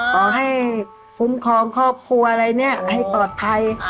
ขอให้ภูมิของครอบครัวอะไรให้ปลอดภัย